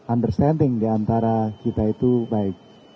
understanding diantara kita itu baik